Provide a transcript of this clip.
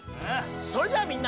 それじゃあみんな。